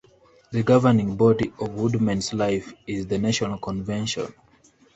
The governing body of WoodmenLife is the National Convention.